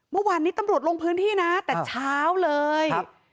เมื่อวานนี้ตำรวจลงพื้นที่นะแต่เช้าเลย